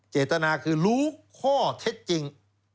เจตนาคือรู้ข้อเท็จจริง